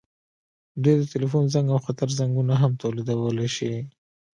دوی د ټیلیفون زنګ او خطر زنګونه هم تولیدولی شي.